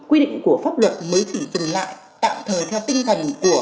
quy định của pháp luận mới chỉ dừng lại